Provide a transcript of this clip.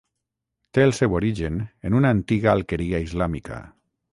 Té el seu origen en una antiga alqueria islàmica.